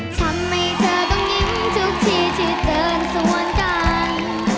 ทำให้เธอต้องยิ้มทุกที่ใส่เติมสวนกัน